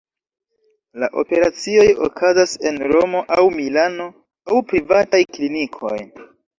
La operacioj okazas en Romo aŭ Milano, en privataj klinikoj.